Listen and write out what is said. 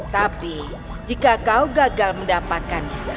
tapi jika kau gagal mendapatkannya